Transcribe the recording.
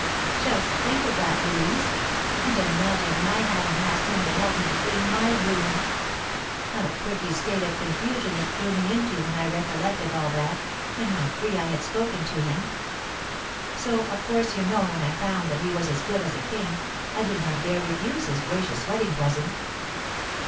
"Just think of that, Louise! And imagine my having asked him to help me to clean my room! A pretty state of confusion it threw me into when I recollected all that, and how free I had spoken to him! So of course you know when I found that he was as good as a king, I did not dare refuse his gracious wedding present.